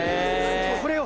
これを。